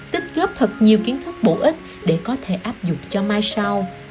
tích góp thật nhiều kiến thức bổ ích để có thể áp dụng cho mai sau